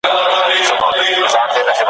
څه باندي درې میاشتي ,